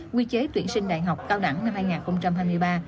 quy chế tuyển sinh đại học cao đẳng năm hai nghìn hai mươi ba